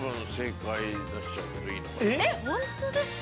えっ本当ですか？